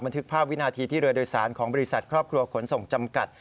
ทึกภาพวินาทีที่เรือโดยสารของบริษัทครอบครัวขนส่งจำกัด